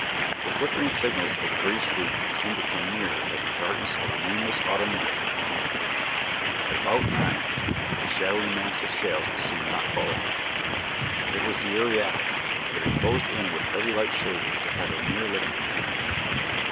The flickering signals of the British fleet seemed to come nearer as the darkness of the moonless autumn night deepened, and about nine a shadowy mass of sails was seen not far off. It was the "Euryalus" that had closed in with every light shaded to have a near look at the enemy.